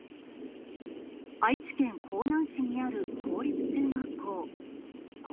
愛知県江南市にある公立中学校。